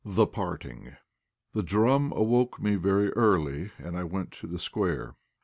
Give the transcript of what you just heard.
THE PARTING. The drum awoke me very early, and I went to the Square.